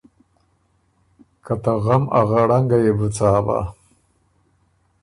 که ته غم ا غړنګه يې بو څا بۀ۔